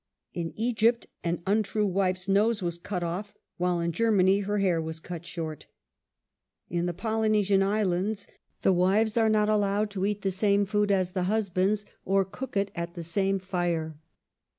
In Egypt an untrue wife's nose was cut off, while in Germany her hair was cut short. In the Polynesian Islands the wives are not allowed to eat the same food as the husbands, or cook it at the same fire.